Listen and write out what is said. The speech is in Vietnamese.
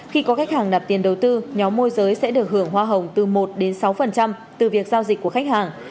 khi có khách hàng nạp tiền đầu tư nhóm môi giới sẽ được hưởng hoa hồng từ một đến sáu từ việc giao dịch của khách hàng